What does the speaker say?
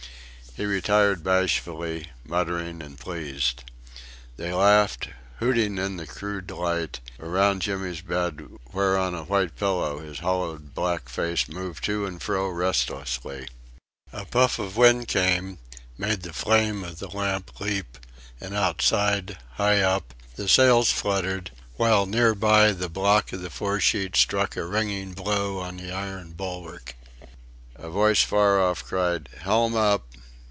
He retired bashfully muttering and pleased. They laughed, hooting in the crude light, around Jimmy's bed, where on a white pillow his hollowed black face moved to and fro restlessly. A puff of wind came, made the flame of the lamp leap, and outside, high up, the sails fluttered, while near by the block of the foresheet struck a ringing blow on the iron bulwark. A voice far off cried, "Helm up!"